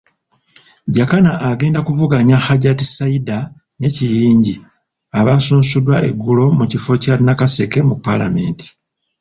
Jakana agenda kuvuganya Hajjati Saidah ne Kiyingi abasunsuddwa eggulo kukifo kya Nakaseke mu Palamenti.